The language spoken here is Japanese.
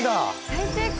大成功！